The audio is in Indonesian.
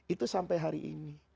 itu sampai hari ini